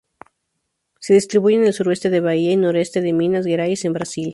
Se distribuye en el sureste de Bahía y noreste de Minas Gerais en Brasil.